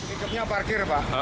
ikutnya parkir pak